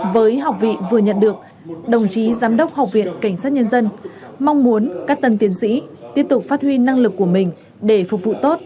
với học vị vừa nhận được đồng chí giám đốc học viện cảnh sát nhân dân mong muốn các tân tiến sĩ tiếp tục phát huy năng lực của mình để phục vụ tốt